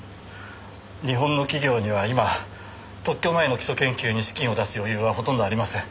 日本の企業には今特許前の基礎研究に資金を出す余裕はほとんどありません。